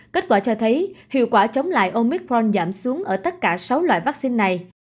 kết quả cho thấy hiệu quả chống lại omicron giảm xuống ở tất cả sáu loại vaccine này